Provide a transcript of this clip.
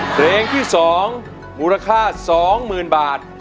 เพลงที่๒มูลค่า๒๐๐๐บาท